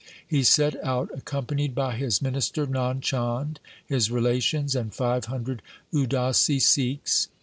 He set out accom panied by his minister Nand Chand, his relations, and five hundred Udasi Sikhs.